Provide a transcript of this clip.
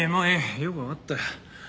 よくわかったよ。